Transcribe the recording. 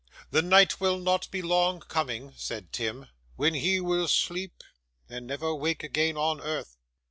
'The night will not be long coming,' said Tim, 'when he will sleep, and never wake again on earth.